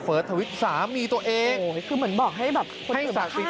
เฟิร์สธวิทย์สามีตัวเองโอ้ยคือเหมือนบอกให้แบบให้สาธิต